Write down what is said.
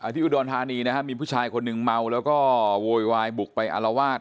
ที่อุดรธานีนะครับมีผู้ชายคนหนึ่งเมาแล้วก็โวยวายบุกไปอารวาส